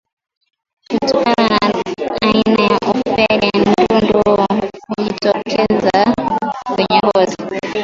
Kutokana na aina ya upele ndundu hujitokeza kwenye ngozi